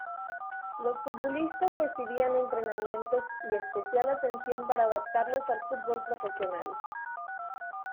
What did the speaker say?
Los futbolistas recibían entrenamiento y especial atención para adaptarlos al fútbol profesional.